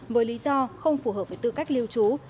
với lý do không phù hợp với tư cách lưu trú